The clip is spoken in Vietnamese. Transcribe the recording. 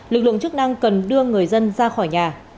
lực lượng chức năng cần đưa người dân ra khỏi nhà